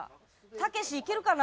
たけしいけるかな？